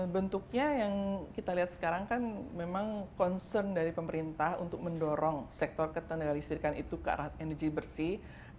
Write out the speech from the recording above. bentuknya yang kita lihat sekarang kan memang concern dari pemerintah untuk mendorong sektor ketenaga listrikan itu ke arah energi bersih